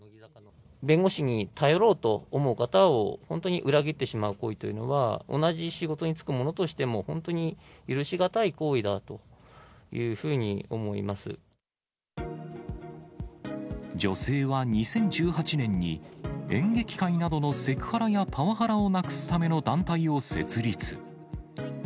弁護士に頼ろうと思う方を、本当に裏切ってしまう行為というのは、同じ仕事に就く者としても、本当に許しがたい行為だというふ女性は２０１８年に、演劇界などのセクハラやパワハラをなくすための団体を設立。